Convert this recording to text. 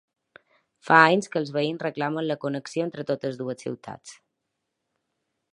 Fa anys que els veïns reclamen la connexió entre totes dues ciutats.